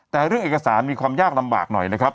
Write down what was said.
แต่เรื่องเอกสารมีความยากลำบากหน่อยนะครับ